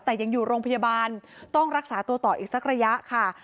แต่ยังอยู่โรงพยาบาลต้องรักษาตัวต่ออีกสักระยะค่ะ